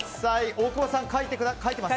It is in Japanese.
大久保さん、書いてます？